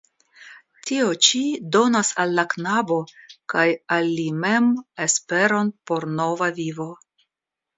Tio ĉi donas al la knabo (kaj al li mem) esperon por nova vivo.